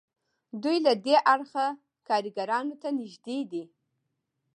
دوی له دې اړخه کارګرانو ته نږدې دي.